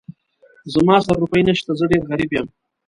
زما سره روپۍ نه شته، زه ډېر غريب يم.